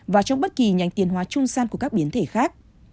và trong bất kỳ nhánh tiền hóa trung gian của các biến thể khác